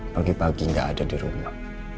pagi pagi nggak ada di rumah